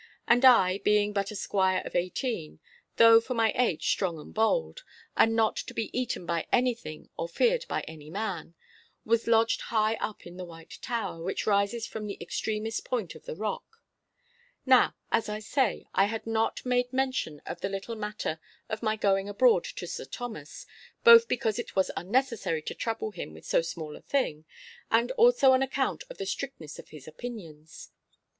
And I, being but a squire of eighteen (though for my age strong and bold, and not to be beaten by anything or feared by any man), was lodged high up in the White Tower, which rises from the extremest point of the rock. Now, as I say, I had not made mention of the little matter of my going abroad to Sir Thomas, both because it was unnecessary to trouble him with so small a thing, and also on account of the strictness of his opinions.